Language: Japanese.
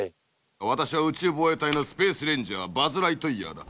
私は宇宙防衛隊のスペース・レンジャーバズ・ライトイヤーだ。